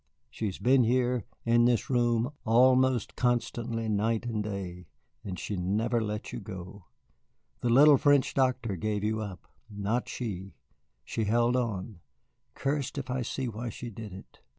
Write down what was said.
She has been here, in this room, almost constantly night and day, and she never let you go. The little French doctor gave you up not she. She held on. Cursed if I see why she did it."